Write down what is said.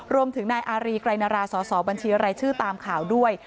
รวมถึงนายอารีไกรนาราสอสอบัญชีรายชื่อตามข่าวด้วย